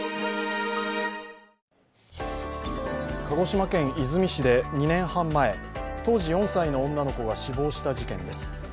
鹿児島県出水市で２年半前、当時４歳の女の子が死亡した事件です。